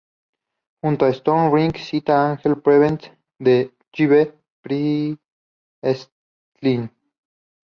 Junto a "South Riding" cita "Angel Pavement" de J. B. Priestley.